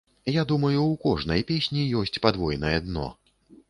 Я думаю, у кожнай песні ёсць падвойнае дно.